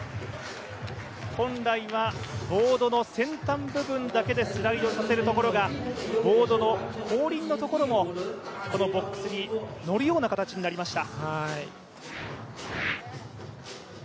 本来はボードの先端部分だけでスライドさせるところが、ボードの後輪のところもこのボックスに乗るような形になりました。